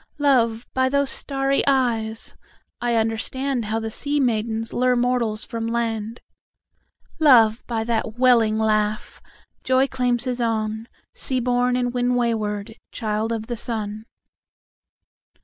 Love, by those starry eyesI understandHow the sea maidens lureMortals from land. Love, by that welling laughJoy claims his ownSea born and wind waywardChild of the sun.